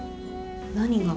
何が？